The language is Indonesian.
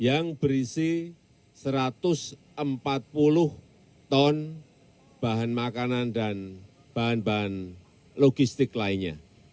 yang berisi satu ratus empat puluh ton bahan makanan dan bahan bahan logistik lainnya